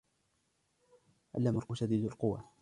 علمه شديد القوى